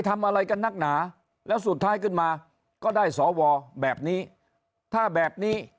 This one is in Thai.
ทำอะไรกันนักหนาแล้วสุดท้ายขึ้นมาก็ได้สวแบบนี้ถ้าแบบนี้